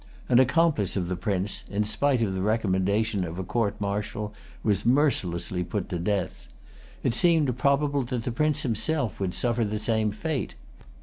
An accomplice of the Prince, in spite of the recommendation of a court martial, was mercilessly put to death. It seemed probable that the Prince himself would suffer the same fate.